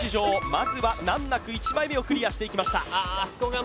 まずは難なく１枚目をクリアしていきました